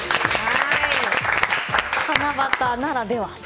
七夕ならでは。